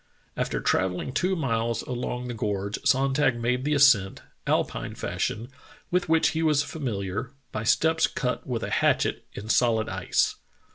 After travelling two miles along the gorge Sonntag made the ascent, Alpine fashion, with which he was familiar, by steps cut with a hatchet in solid ice."